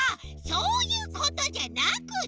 そういうことじゃなくって！